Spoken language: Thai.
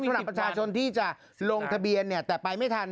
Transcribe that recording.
สำหรับประชาชนที่จะลงทะเบียนแต่ไปไม่ทัน